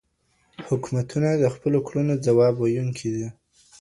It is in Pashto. حکومتونه د خپلو کړنو ځواب ويونکي دي.